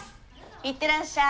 行ってらっしゃい。